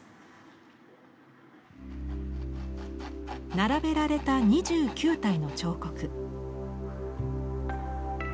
並べられた２９体の彫刻。